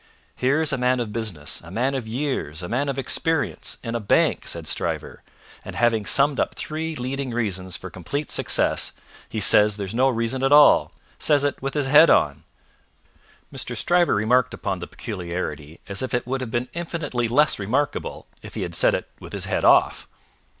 "Here's a man of business a man of years a man of experience in a Bank," said Stryver; "and having summed up three leading reasons for complete success, he says there's no reason at all! Says it with his head on!" Mr. Stryver remarked upon the peculiarity as if it would have been infinitely less remarkable if he had said it with his head off.